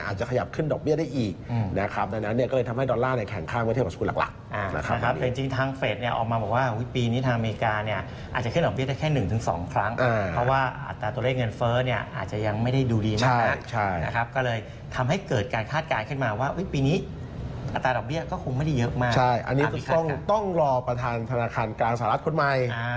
ใช่อันนี้ต้องรอประทานธนาคารกลางศาลัยออนหลักคุณใหม่